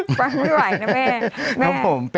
ฟังไม่ไหวนะแม่